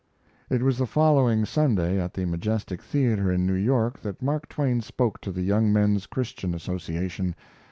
It was the following Sunday, at the Majestic Theater, in New York, that Mark Twain spoke to the Young Men's Christian Association.